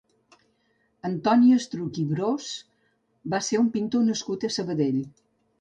Antoni Estruch i Bros va ser un pintor nascut a Sabadell.